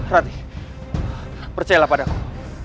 rati percayalah padaku